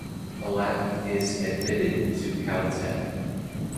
Alaak is admitted to Caltech